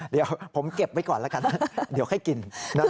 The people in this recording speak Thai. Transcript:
เดี๋ยวผมเก็บไว้ก่อนละกันเดี๋ยวให้กินนะฮะ